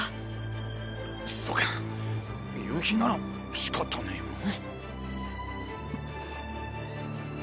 そうか夕日なら仕方ねぇよな。